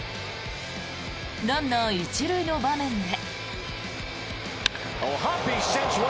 ランナー１塁の場面で。